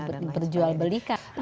apalagi diperjual belikan